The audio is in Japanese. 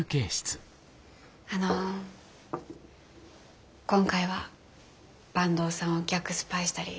あの今回は坂東さんを逆スパイしたり。